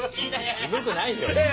渋くないよ。